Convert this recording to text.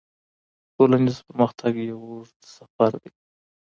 ټولنیز پرمختګ یو اوږد سفر دی.